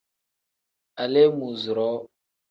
Aleemuuzuroo.